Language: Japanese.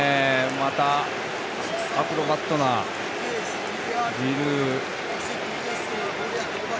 また、アクロバットなジルー。